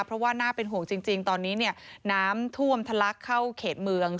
เพราะว่าน่าเป็นห่วงจริงตอนนี้น้ำท่วมทะลักเข้าเขตเมือง